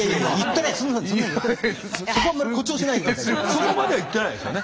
そこまでは言ってないですよね？